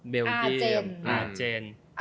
เบลยีอเจน